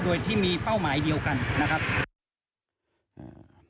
โดยที่มีเป้าหมายเดียวกันนะครับ